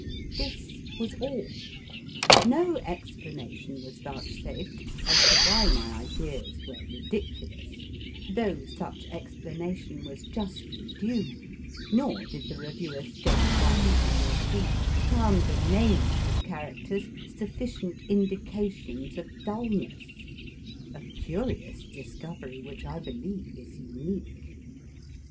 This was all. No explanation was vouchsafed as to why my ideas were ridiculous, though MARIE CORELLI 209 such explanation was justly due ; nor did the reviewer state why he (or she) found the * names of characters sufficient indications of dulness, a curious discovery which I believe is unique.